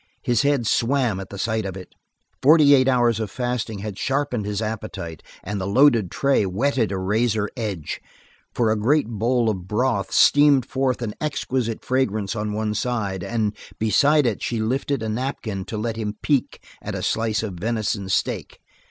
His head swam at sight of it. Forty eight hours of fasting had sharpened his appetite, and the loaded tray whetted a razor edge, for a great bowl of broth steamed forth an exquisite fragrance on one side and beside it she lifted a napkin to let him peek at a slice of venison steak.